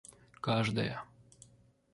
каждая